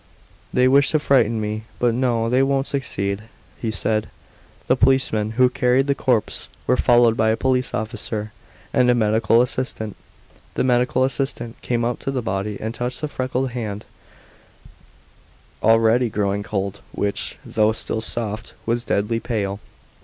"They wish to frighten me, but no, they won't succeed," he said. The policemen who carried the corpse were followed by a police officer and a medical assistant. The medical assistant came up to the body and touched the freckled hand, already growing cold, which, though still soft, was deadly pale.